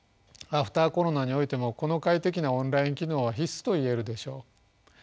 アフターコロナにおいてもこの快適なオンライン機能は必須と言えるでしょう。